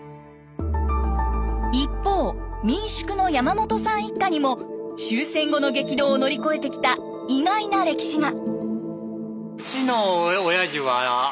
一方民宿の山本さん一家にも終戦後の激動を乗り越えてきた意外な歴史が。